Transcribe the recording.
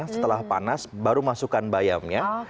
setelah panas baru masukkan bayamnya